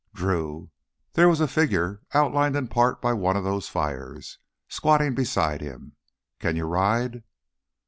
"Drew !" There was a figure, outlined in part by one of those fires, squatting beside him. "Can you ride?"